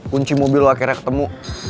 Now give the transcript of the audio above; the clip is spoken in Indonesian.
kunci mobil akhirnya ketemu